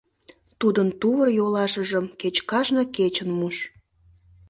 — Тудын тувыр-йолашыжым кеч кажне кечын муш.